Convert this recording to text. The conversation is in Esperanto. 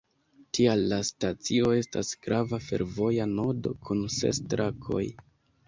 Tial la stacio estas grava fervoja nodo, kun ses trakoj.